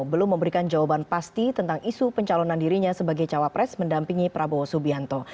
belum memberikan jawaban pasti tentang isu pencalonan dirinya sebagai cawapres mendampingi prabowo subianto